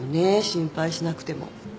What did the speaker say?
心配しなくても。